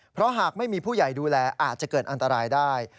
เพราะหากไม่มีผู้ใหญ่ดูแลอาจจะเกิดอันตรายได้